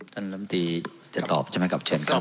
ท่านรัฐมนตรีจะตอบจะไม่กลับเช็นครับ